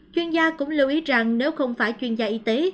chuyên gia cũng lưu ý rằng nếu không phải chuyên gia y tế